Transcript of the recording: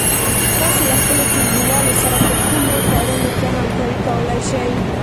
تاسو له خپلو ټولگيوالو سره په کومو کارونو کې همکاري کولای شئ؟